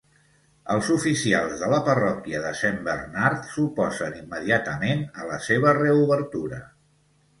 Els oficials de la Parròquia de Saint Bernard s'oposen immediatament a la seva reobertura.